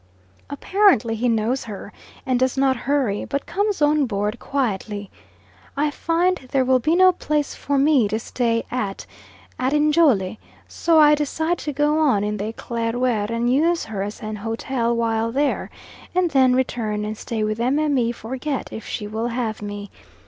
Apparently he knows her, and does not hurry, but comes on board quietly. I find there will be no place for me to stay at at Njole, so I decide to go on in the Eclaireur and use her as an hotel while there, and then return and stay with Mme. Forget if she will have me.